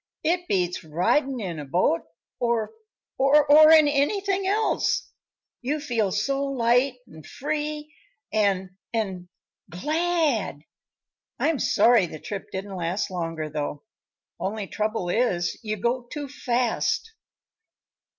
"It beats ridin' in a boat or or in anything else. You feel so light an' free an' an' glad! I'm sorry the trip didn't last longer, though. Only trouble is, you go too fast."